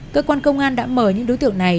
cơ quan công an đã mời những đối tượng này